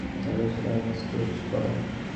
তাহলে সেটাকে নিস্তেজ করো।